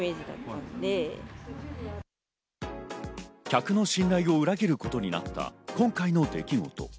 客の信頼を裏切ることになった今回の出来事。